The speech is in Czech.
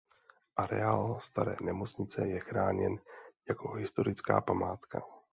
Areál staré nemocnice je chráněn jako historická památka.